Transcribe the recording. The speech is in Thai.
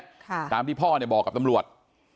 ตามที่พ่อเนี่ยบอกกับตำรวจ